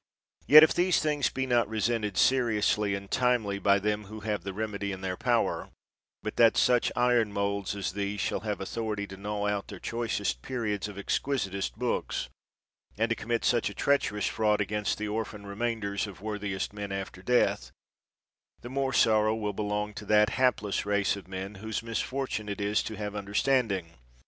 Yet if these things be not resented seriously 99 THE WORLD'S FAMOUS ORATIONS and timely by them who have the remedy in their power, but that such iron molds as these shall have authority to gnaw out the choicest periods of exquisitest books, and to commit such a treacherous fraud against the orphan remain ders of worthiest men after death, the more sor row will belong to that hapless race of men, whose misfortune it is to have understanding.